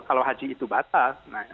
kalau haji itu batas